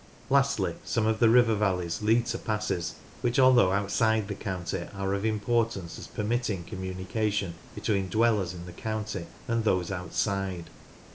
Lastly, some of the river valleys lead to passes which, although outside the county, are of importance as per mitting communication between dwellers in the county and those outside.